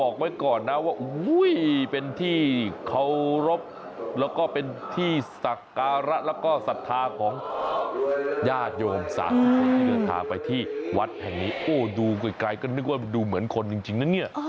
ก็นึกว่าเหมือนคนจริงอ่ะเนี่ย